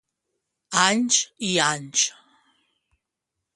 Anys i anys!